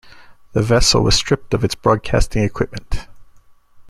The vessel was stripped of its broadcasting equipment.